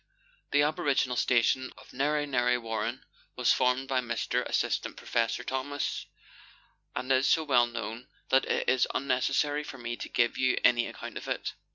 The aboriginal station of Narre Narre Warren was formed by Mr. Assistant Protector Thomas, and is so well known, that it is unnecessary for me to give you any account of it.